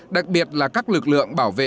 đặc biệt là các lực lượng bảo vệ